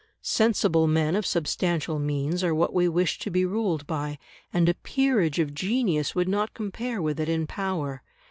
Sensible men of substantial means are what we wish to be ruled by, and a peerage of genius would not compare with it in power.